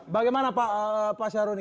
bagaimana pak syaroni